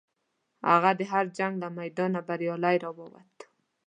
هغه د هر جنګ له میدانه بریالی راووت.